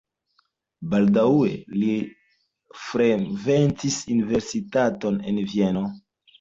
Baldaŭe li frekventis universitaton en Vieno.